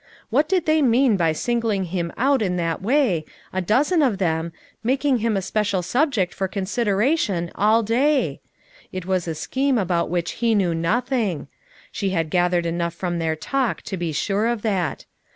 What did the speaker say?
What did they mean by singling him out in that way, a dozen of them, making him a special subject for con sideration all dayl It was a scheme about which he knew nothing; she had gathered enough from their talk to be sure of that.